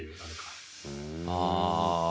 ああ。